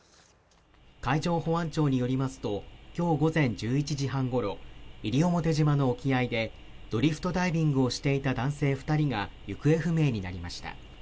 海上保安庁によりますと、今日午前１１時半ごろ、西表島の沖合でドリフトダイビングをしていた男性２人が行方不明になりました。